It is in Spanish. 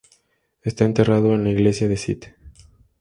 Está enterrada en la iglesia de St.